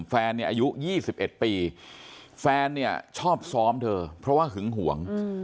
แฟนเนี่ยอายุ๒๑ปีแฟนเนี่ยชอบซ้อมเธอเพราะว่าหึงห่วง